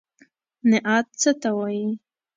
نعت څه ته وايي.